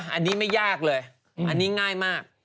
อันนี้ไม่ยากเลยอันนี้ง่ายมาก